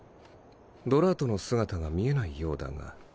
ドラートの姿が見えないようだが？